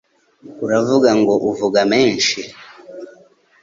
uravuga ngo uvuga menshi,